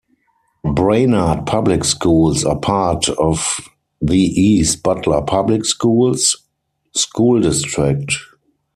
Brainard Public Schools are part of the East Butler Public Schools School District.